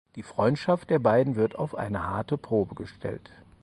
Die Freundschaft der beiden wird auf eine harte Probe gestellt.